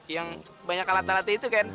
yang banyak alat alatnya itu kan